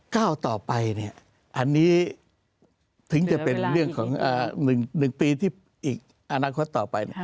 ก้าวต่อไปอันนี้ถึงจะเป็นเรื่องของ๑ปีที่อีกอนาคตต่อไป